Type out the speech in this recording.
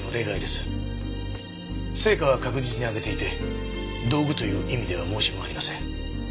成果は確実に上げていて道具という意味では申し分ありません。